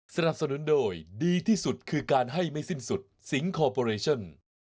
สนับสนุนโดยดีที่สุดคือการให้ไม่สิ้นสุดสิงคอร์ปอเรชั่น